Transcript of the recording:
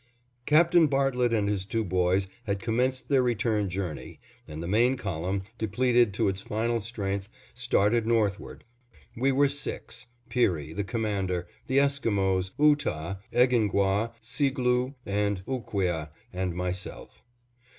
Captain Bartlett and his two boys had commenced their return journey, and the main column, depleted to its final strength, started northward. We were six: Peary, the commander, the Esquimos, Ootah, Egingwah, Seegloo and Ooqueah, and myself.